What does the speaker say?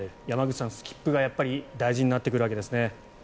山口さん、スキップが大事になってくるわけですね。